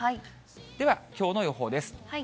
ではきょうの予報です。